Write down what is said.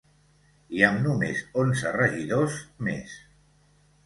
I amb només onze regidors, més.